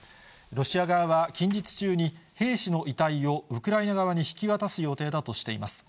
ロシア側は近日中に、兵士の遺体をウクライナ側に引き渡す予定だとしています。